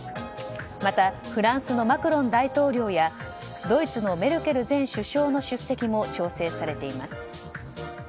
またフランスのマクロン大統領やドイツのメルケル前首相の出席も調整されています。